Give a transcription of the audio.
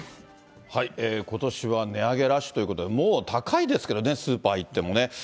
ことしは値上げラッシュということで、もう高いですけどね、スーパー行ってもね。